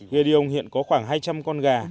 gediung hiện có khoảng hai trăm linh con gà